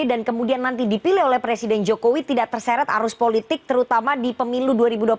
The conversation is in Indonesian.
dan kemudian nanti dipilih oleh presiden jokowi tidak terserat arus politik terutama di pemilu dua ribu dua puluh empat